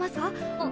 あっ。